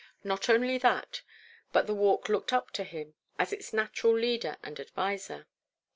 Not only that, but the Walk looked up to him as its natural leader and adviser.